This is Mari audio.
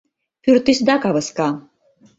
Пӱртӱсда кавыска.